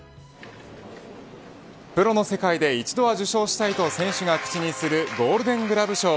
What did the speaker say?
プロの世界で、一度は受賞したいと選手が口にするゴールデン・グラブ賞。